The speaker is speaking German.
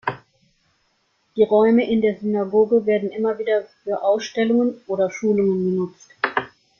Die Räume in der Synagoge werden immer wieder für Ausstellungen oder Schulungen genutzt.